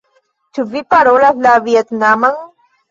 Ĉu vi parolas la vjetnaman?